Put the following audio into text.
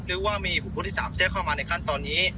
หรือว่ามีบุคคลที่๓แทรกเข้ามาในขั้นตอนนี้